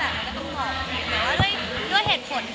มันเหมือนกับมันเหมือนกับมันเหมือนกับ